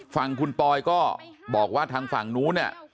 ฝั่งคุณปอยก็บอกว่าทางฝั่งนู้นเนี่ย